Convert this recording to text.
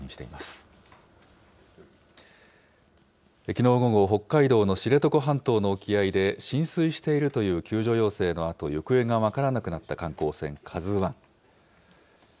きのう午後、北海道の知床半島の沖合で浸水しているという救助要請のあと、行方が分からなくなった観光船、ＫＡＺＵわん。